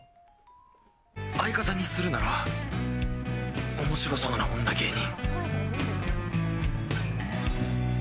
相方にするなら面白そうな女芸人。